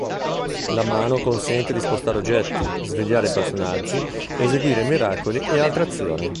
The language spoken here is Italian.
La mano consente di spostare oggetti, svegliare i personaggi, eseguire miracoli e altre azioni.